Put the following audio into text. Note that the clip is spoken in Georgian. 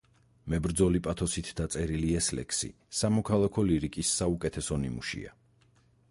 მებრძოლი პათოსით დაწერილი ეს ლექსი სამოქალაქო ლირიკის საუკეთესო ნიმუშია.